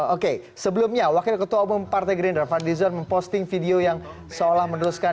oke sebelumnya wakil ketua umum partai gerindra fadlizon memposting video yang seolah meneruskan